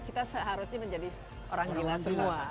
kita seharusnya menjadi orang kita semua